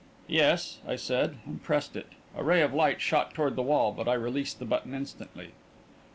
"Yes," I said, and pressed it. A ray of light shot toward the wall, but I released the button instantly.